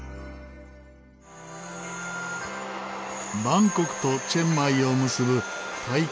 バンコクとチェンマイを結ぶタイ